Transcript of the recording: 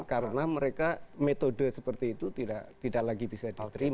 karena mereka metode seperti itu tidak lagi bisa diterima